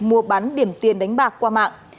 mua bán điểm tiền đánh bạc qua mạng